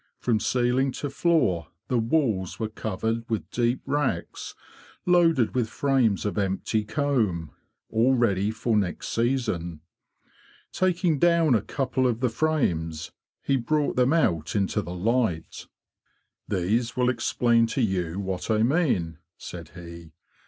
From ceiling to floor the walls were covered with deep racks loaded with frames of empty comb, ll ready for next season. Taking down a couple of the frames, he brought them out into the light. '' These will explain to you what I mean," said he.